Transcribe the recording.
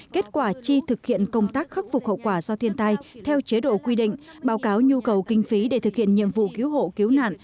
kết quả chi thực hiện công tác khắc phục hậu quả do thiên tai theo chế độ quy định báo cáo nhu cầu kinh phí để thực hiện nhiệm vụ cứu hộ cứu nạn